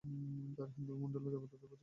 তারা হিন্দু মণ্ডলের দেবতাদের পূজা ও সেবা করে।